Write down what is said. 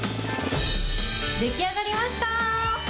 出来上がりました。